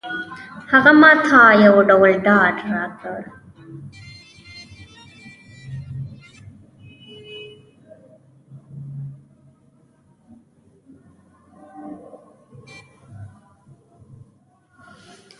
هغه ماته یو ډول ډاډ راکړ.